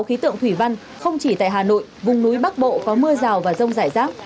khí tượng thủy văn không chỉ tại hà nội vùng núi bắc bộ có mưa rào và rông rải rác